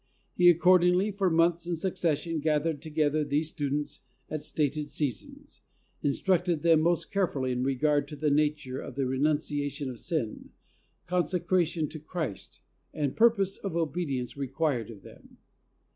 He, accordingly, for months in succession, gath ered together these students at stated seasons, instructed them most carefully in regard to the nature of the renunciation of sin, conse cration to Christ, and purpose of obedience required of them.